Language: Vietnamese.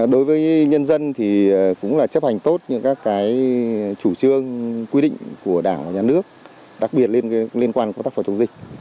đối với nhân dân thì cũng là chấp hành tốt những các chủ trương quy định của đảng và nhà nước đặc biệt liên quan công tác phòng chống dịch